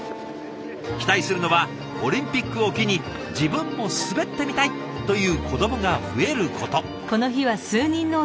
期待するのはオリンピックを機に自分も滑ってみたい！という子どもが増えること。